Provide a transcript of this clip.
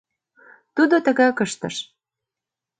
Тудо тыгак ыштыш.